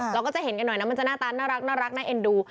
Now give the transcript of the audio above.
เราก็จะเห็นกันหน่อยนะมันจะหน้าตาน่ารักน่าเอ็นดู